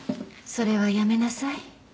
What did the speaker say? それはやめなさい。